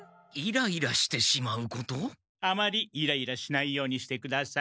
あまりイライラしないようにしてください。